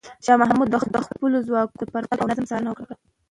شاه محمود د خپلو ځواکونو د پرمختګ او نظم څارنه وکړه.